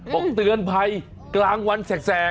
บอกเตือนภัยกลางวันแสก